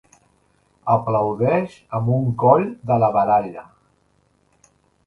Aplaudeix amb un coll de la baralla.